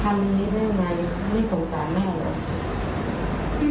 พี่เนยทำอะไรไม่ได้เลยออกตามแม่ด้วย